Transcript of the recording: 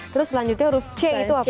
terus selanjutnya huruf c itu apa